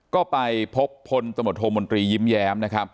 ก็ไปพบผลสมุทัยโมนตรียิ้มแย้ม